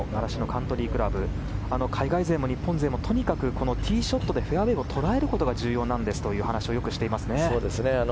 カントリークラブ海外勢も日本勢もとにかくティーショットでフェアウェーを捉えることが重要ですという話をよくしていますね。